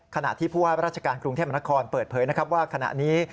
ขณะที่ผู้ว่าราชการกรุงเทพมนครเปิดเผยนะครับว่าขณะนี้